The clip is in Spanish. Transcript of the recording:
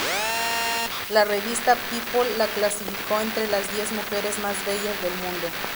La revista "People" la clasificó entre las diez mujeres más bellas del mundo.